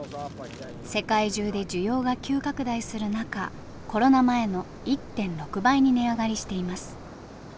世界中で需要が急拡大する中コロナ前の１．６倍に値上がりしています。